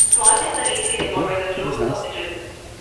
The small chips are easily removed by the flutes of the drill.